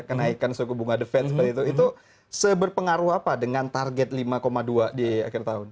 kenaikan suku bunga defense itu berpengaruh apa dengan target lima dua di akhir tahun